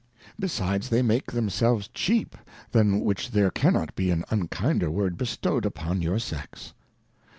Besides they make themselves Cheap, than which there cannot be an unkinder word bestowed upon your Sex.